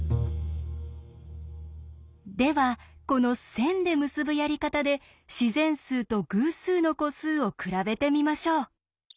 ではこの線で結ぶやり方で自然数と偶数の個数を比べてみましょう。